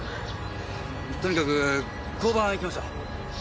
とにかく交番行きましょう。